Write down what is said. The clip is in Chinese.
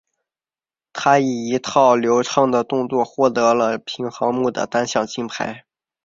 她以一套流畅的动作获得了平衡木的单项金牌。